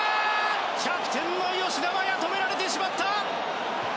キャプテンの吉田麻也止められてしまった！